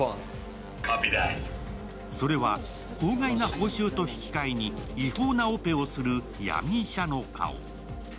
それは、法外な報酬と引き換えに違法なオペをする闇医者の顔。